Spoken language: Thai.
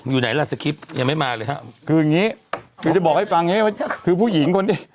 อยู่ไหนล่ะยังไม่มาเลยฮะคืออย่างงี้คือจะบอกให้ฟังคือผู้หญิงคนนี้